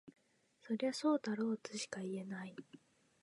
そりゃそうだろとしか言えない